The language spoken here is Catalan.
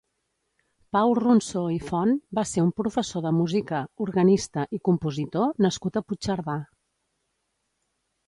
Pau Ronsó i Font va ser un professor de música, organista i compositor nascut a Puigcerdà.